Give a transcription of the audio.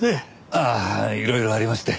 ああいろいろありまして。